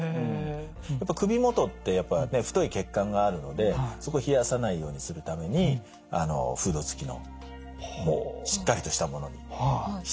やっぱ首元って太い血管があるのでそこ冷やさないようにするためにフード付きのもうしっかりとしたものにして。